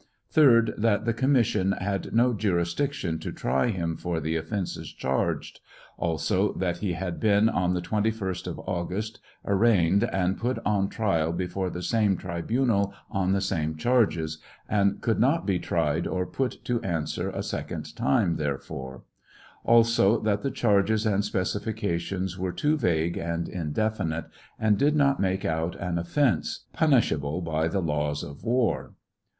3d That the commis sion had no jurisdiction to try him for the offences charged ; also, that he had been on the 21st of August arraigned and put on trial before the same tribunal on the same charges, and could not be tried or " put to answer" a second time therefor. Also, that the charges and specifltations were too vague and indefi nite, and did not make out an offence, punishable by the laws of war.